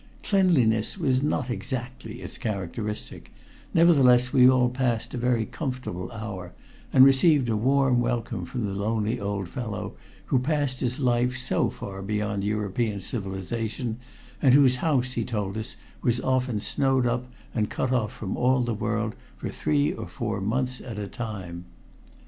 Cleanliness was not exactly its characteristic, nevertheless we all passed a very comfortable hour, and received a warm welcome from the lonely old fellow who passed his life so far beyond European civilization, and whose house, he told us, was often snowed up and cut off from all the world for three or four months at a time.